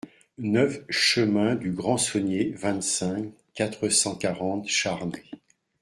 neuf chemin du Grand Saunier, vingt-cinq, quatre cent quarante, Charnay